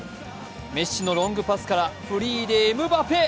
メッシのロングパスからフリーでエムバペ。